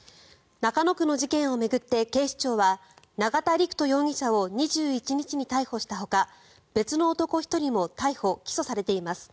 中野区の事件を巡って警視庁は永田陸人容疑者を逮捕したほか別の男１人も逮捕・起訴されています。